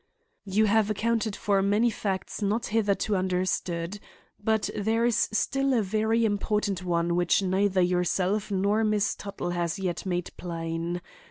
"You have accounted for many facts not hitherto understood. But there is still a very important one which neither yourself nor Miss Tuttle has yet made plain.